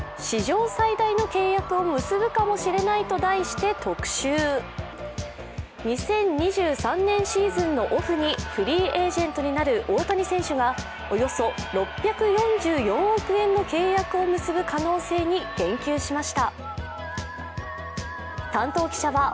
タブロイド紙の「ミラー」は２０２３年シーズンのオフにフリーエージェントになる大谷選手がおよそ６４４億円の契約を結ぶ可能性に言及しました。